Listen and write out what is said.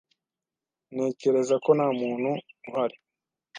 Ntekereza ko nta muntu uhari.